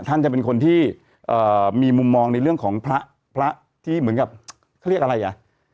ท่านจะเป็นคนที่มีมุมมองในเรื่องของพระพระที่เหมือนกับเขาเรียกอะไรอ่ะ